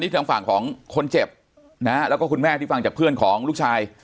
ทางฝั่งของคนเจ็บนะฮะแล้วก็คุณแม่ที่ฟังจากเพื่อนของลูกชาย